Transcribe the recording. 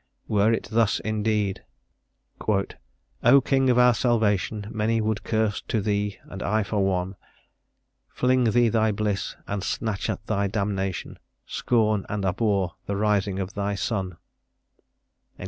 Were it thus indeed "O King of our salvation, Many would curse to thee, and I for one! Fling Thee Thy bliss, and snatch at Thy damnation, Scorn and abhor the rising of Thy sun.